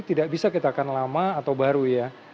tidak bisa kita akan lama atau baru ya